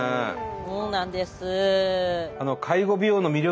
そうなんです。